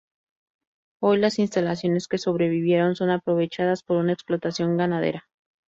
Hoy las instalaciones que sobrevivieron son aprovechadas por una explotación ganadera.